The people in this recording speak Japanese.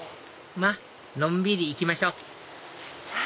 まっのんびり行きましょえっ？